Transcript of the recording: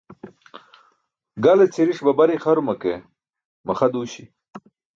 Gale cʰiriṣ babar ixaruma ke maxa duuśi.